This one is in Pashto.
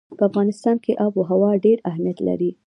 په افغانستان کې آب وهوا ډېر اهمیت لري.